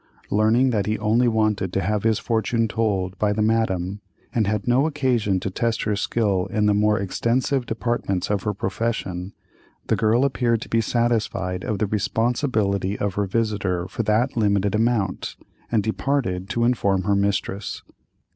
Learning that he only wanted to have his fortune told by the Madame, and had no occasion to test her skill in the more expensive departments of her profession, the girl appeared to be satisfied of the responsibility of her visitor for that limited amount, and departed to inform her mistress.